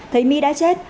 thấy mỹ đã chết